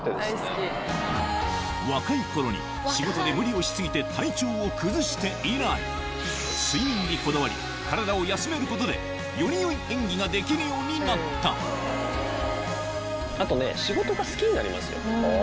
若い頃に仕事で無理をし過ぎて体調を崩して以来睡眠にこだわり体を休めることでより良い演技ができるようになったあとね。